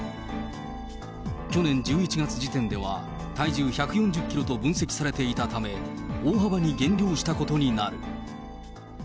去年１１月時点では、体重１４０キロと分析されていたため、大幅に減量したことになる。